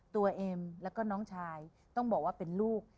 เอ็มแล้วก็น้องชายต้องบอกว่าเป็นลูก